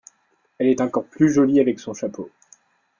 Elle est encore plus jolie avec son chapeau.